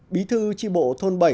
bí thư tri bộ thôn bảy